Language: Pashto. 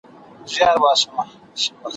چي څوک ولویږي له واک او له قدرته `